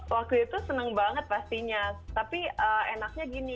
waktu itu senang banget pastinya tapi enaknya gini